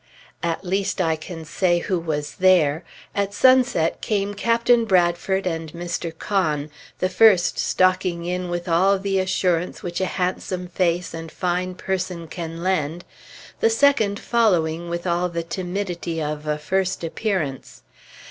At least, I can say who was there. At sunset came Captain Bradford and Mr. Conn, the first stalking in with all the assurance which a handsome face and fine person can lend, the second following with all the timidity of a first appearance....